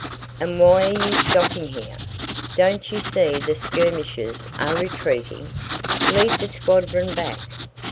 "And why are you stopping here? Don't you see the skirmishers are retreating? Lead the squadron back."